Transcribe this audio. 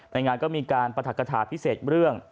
ในงานก็มีการปรัฐกฐาพิเศษเรื่อง